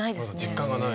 実感がない？